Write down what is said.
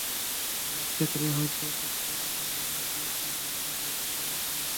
অনেক ক্ষেত্রে হয়তো যোগ্য লোকই মনোনয়ন পেয়েছেন এবং তাঁরাই জিতে আসবেন।